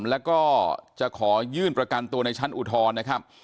แล้วก็จะขอยื่นประกันตัวในชั้นอุทธรณ์นะครับ